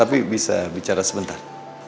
tapi bisa bicara sebentar